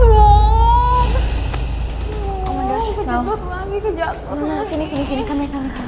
lama sini sini sini kamera kamera kamera